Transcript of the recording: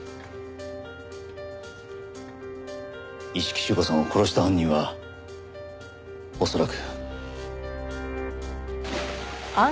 一色朱子さんを殺した犯人は恐らく。